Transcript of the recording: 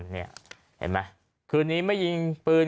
เห็นไหมคืนนี้ไม่ยิงปืน